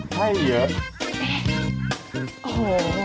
ไข่เยอะ